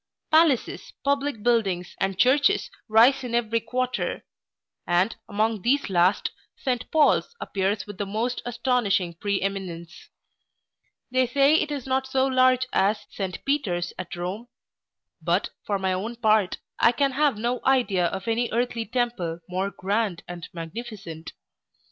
Palaces, public buildings, and churches rise in every quarter; and, among these last, St Paul's appears with the most astonishing pre eminence. They say it is not so large as, St Peter's at Rome; but, for my own part, I can have no idea of any earthly temple more grand and magnificent.